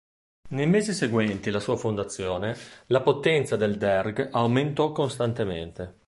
Nei mesi seguenti la sua fondazione, la potenza del Derg aumentò costantemente.